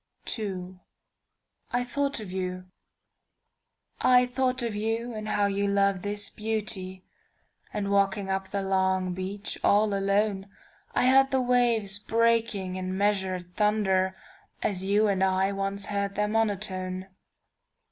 II. "I THOUGHT OF YOU"I thought of you and how you love this beauty, And walking up the long beach all alone,I heard the waves breaking in measured thunderAs you and I once heard their monotone.